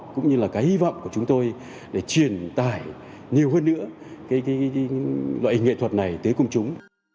cũng như là cái hy vọng của chúng tôi để truyền tải nhiều hơn nữa cái loại nghệ thuật này tới công chúng